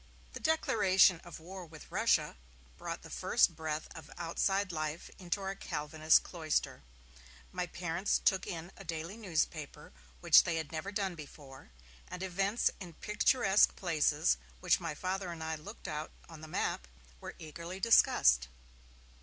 The declaration of war with Russia brought the first breath of outside life into our Calvinist cloister. My parents took in a daily newspaper, which they had never done before, and events in picturesque places, which my Father and I looked out on the map, were eagerly discussed.